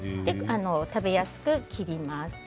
食べやすく切ります。